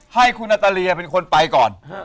ให้คุณอัตเลียเป็นคนไปก่อน